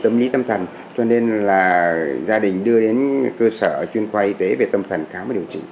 tâm lý tâm thần cho nên là gia đình đưa đến cơ sở chuyên khoa y tế về tâm thần khám và điều trị